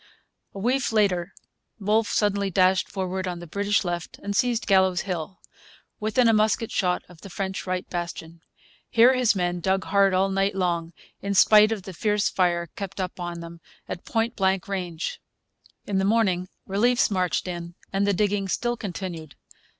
A week later Wolfe suddenly dashed forward on the British left and seized Gallows Hill, within a musket shot of the French right bastion. Here his men dug hard all night long, in spite of the fierce fire kept up on them at point blank range. In the morning reliefs marched in, and the digging still continued.